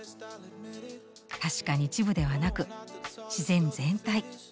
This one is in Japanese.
確かに一部ではなく自然全体。